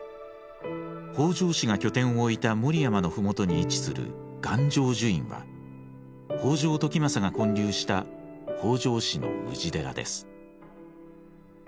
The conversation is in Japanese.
北条氏が拠点を置いた守山の麓に位置する願成就院は北条時政が建立した北条氏の氏寺です。